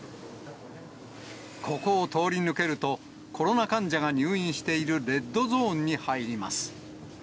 ここを通り抜けると、コロナ患者が入院しているレッドゾーンに入ります。